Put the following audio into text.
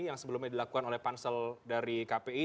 yang sebelumnya dilakukan oleh pansel dari kpi